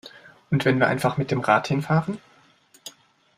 Und wenn wir einfach mit dem Rad hin fahren?